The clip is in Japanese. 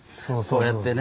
こうやってね。